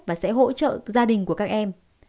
và sẽ hỗ trợ gia đình của các em